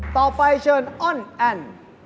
ต่อไปเชิญอ้อนแอน